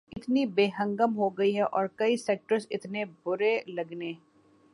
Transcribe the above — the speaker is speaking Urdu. اتنی بے ہنگم ہو گئی ہے اور کئی سیکٹرز اتنے برے لگنے